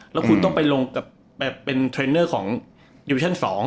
แล้วคุณต้องไปลงกับเป็นเทรนเนอร์ของดิวิชั่น๒